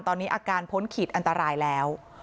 ตอนนี้อาการพ้นขีดอันตรายแล้ว